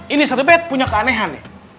ini sebet punya keanehan